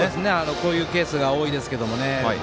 こういうケースが多いですけどね